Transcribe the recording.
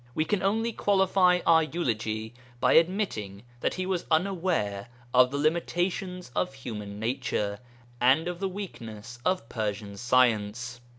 We can only qualify our eulogy by admitting that he was unaware of the limitations of human nature, and of the weakness of Persian science.